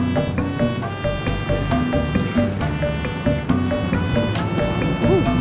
masih ya pak